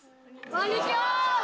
こんにちは！